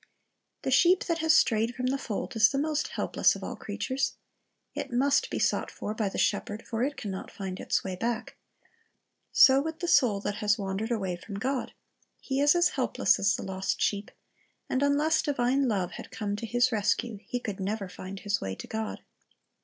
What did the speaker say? The sheep that has strayed from the fold is the most helpless of all creatures. It must be sought for by the shepherd, for it can not find its way back. So with the soul that has wandered away from God; he is as helpless as the lost sheep, and unless divine love had come to his rescue, he could never find his way to God.